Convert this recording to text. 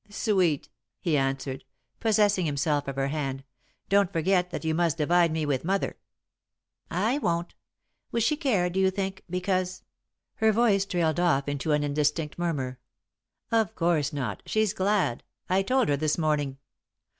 "Sweet," he answered, possessing himself of her hand, "don't forget that you must divide me with mother." "I won't. Will she care, do you think, because " Her voice trailed off into an indistinct murmur. "Of course not. She's glad. I told her this morning."